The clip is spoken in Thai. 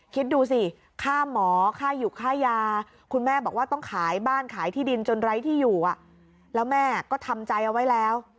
คิดดูสิค่าหมอค่าอยู่ค่ายาคุณแม่บอกว่าต้องขายบ้านขายที่ดินจนไร้ที่อยู่แล้วแม่ก็ทำใจเอาไว้แล้ว